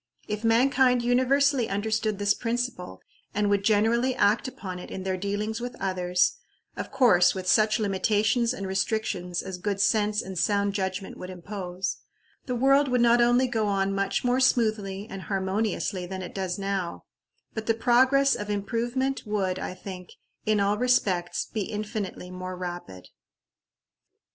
If mankind universally understood this principle, and would generally act upon it in their dealings with others of course, with such limitations and restrictions as good sense and sound judgment would impose the world would not only go on much more smoothly and harmoniously than it does now, but the progress of improvement would, I think, in all respects be infinitely more rapid.